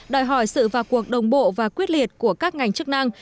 đòi hỏi sự và cuộc đồng bộ và quyết liệt của các ngành chức năng